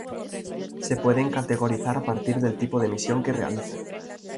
Se pueden categorizar a partir del tipo de misión que realicen.